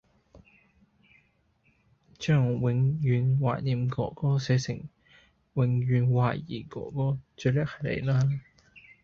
將「永遠懷念哥哥」寫成「永遠懷疑哥哥」最叻係你啦